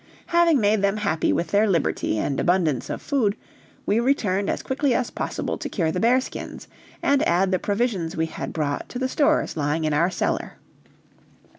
Having made them happy with their liberty and abundance of food, we returned as quickly as possible to cure the bearskins, and add the provisions we had brought to the stores lying in our cellar.